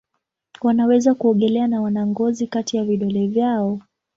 Wanaweza kuogelea na wana ngozi kati ya vidole vyao.